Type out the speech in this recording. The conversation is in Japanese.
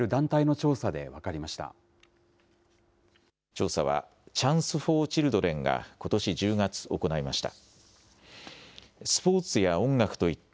調査は、チャンス・フォー・チルドレンがことし１０月、行いました。